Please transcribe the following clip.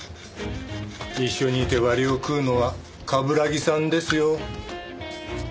一緒にいて割を食うのは冠城さんですよ。